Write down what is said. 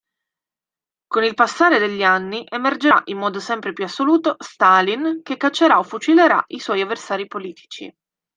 Con il passare degli anni emergerà in modo sempre più assoluto Stalin che caccerà o fucilerà i suoi avversari politici.